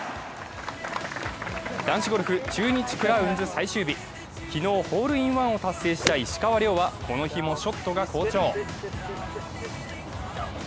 男子ゴルフ、中日クラウンズ最終日昨日、ホールインワンを達成した石川遼はこの日もショットが好調。